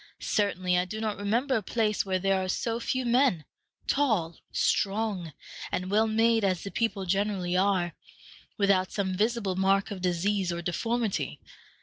Certainly I do not remember a place where there are so few men, tall, strong, and well made as the people generally are, without some visible mark of disease or deformity.